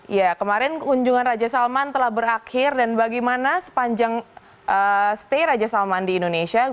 ya kemarin kunjungan raja salman telah berakhir dan bagaimana sepanjang stay raja salman di indonesia